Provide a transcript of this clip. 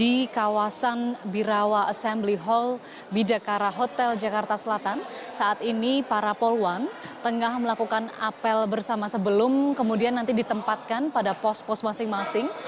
di kawasan birawa assembly hall bidakara hotel jakarta selatan saat ini para poluan tengah melakukan apel bersama sebelum kemudian nanti ditempatkan pada pos pos masing masing